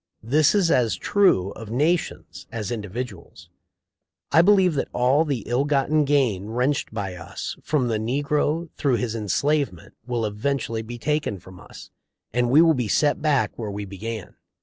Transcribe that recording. This is as true of nations as individuals. I believe that all the ill gotten gain wrenched by us from the negro through his enslavement will eventually be taken from us, and we will be set back where we began."